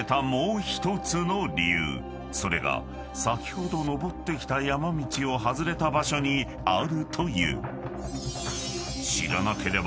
［それが先ほど登ってきた山道を外れた場所にあるという］